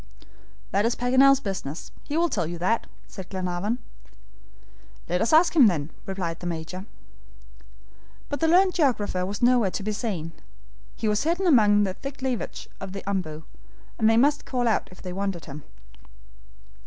"That's Paganel's business; he will tell you that," said Glenarvan. "Let's ask him, then," replied the Major. But the learned geographer was nowhere to be seen. He was hidden among the thick leafage of the OMBU, and they must call out if they wanted him.